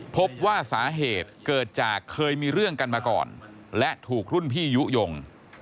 พบว่าสาเหตุเกิดจากเคยมีเรื่องกันมาก่อนและถูกรุ่นพี่ยุโยง